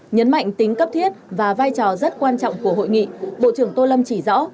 nhấn mạnh tính cấp thiết và vai trò rất quan trọng của hội nghị bộ trưởng tô lâm chỉ rõ